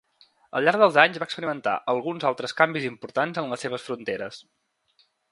Al llarg dels anys va experimentar alguns altres canvis importants en les seves fronteres.